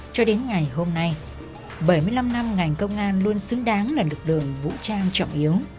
cho đến ngày hôm nay bảy mươi năm năm ngành công an luôn xứng đáng là lực lượng vũ trang trọng yếu